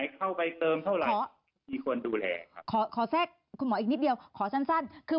แค่๓คนดูแล